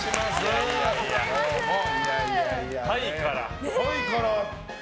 タイから。